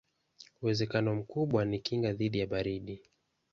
Uwezekano mkubwa ni kinga dhidi ya baridi.